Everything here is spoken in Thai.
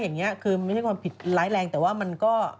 น้องกลัวอย่าไปแจ้งตำรวจดีกว่าเด็ก